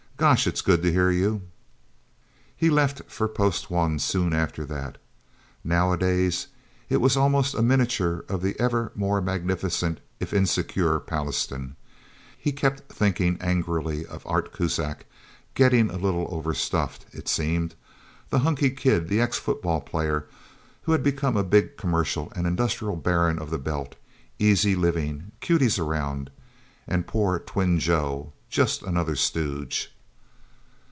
"Gosh, it's good to hear you!" He left for Post One, soon after that. Nowadays, it was almost a miniature of the ever more magnificent if insecure Pallastown. He kept thinking angrily of Art Kuzak, getting a little overstuffed, it seemed. The hunkie kid, the ex football player who had become a big commercial and industrial baron of the Belt. Easy living. Cuties around. And poor twin Joe just another stooge...